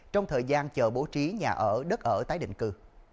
trong thời gian chờ bố trí nhà ở đất ở tái định cư